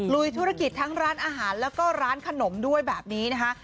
ลุยธุรกิจทั้งร้านอาหารแล้วก็ร้านขนมด้วยแบบนี้นะคะ